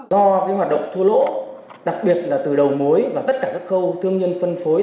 do hoạt động thua lỗ đặc biệt là từ đầu mối và tất cả các khâu thương nhân phân phối